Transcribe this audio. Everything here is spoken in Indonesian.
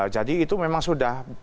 jadi itu memang sudah